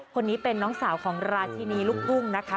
คนนี้เป็นน้องสาวของราชินีลูกทุ่งนะคะ